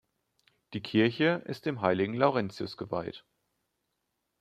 Die Kirche ist dem heiligen Laurentius geweiht.